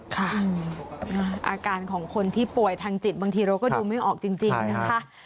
อาการของคนที่ป่วยทางจิตบางทีเราก็ดูไม่ออกจริงนะคะ